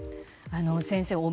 先生